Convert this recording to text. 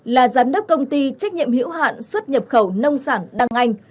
là giám đốc công ty trách nhiệm hữu hạn xuất nhập khẩu nông sản đăng anh